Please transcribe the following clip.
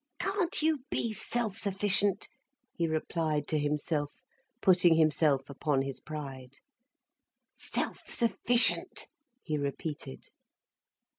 "Can't you be self sufficient?" he replied to himself, putting himself upon his pride. "Self sufficient!" he repeated.